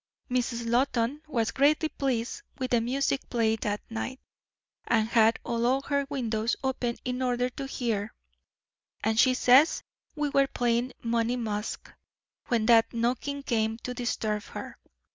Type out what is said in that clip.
Mrs. Loton was greatly pleased with the music played that night, and had all her windows open in order to hear it, and she says we were playing 'Money Musk' when that knocking came to disturb her.